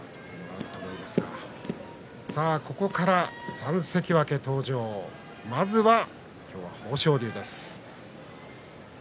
ここから３関脇登場、まずは今日は豊昇龍です。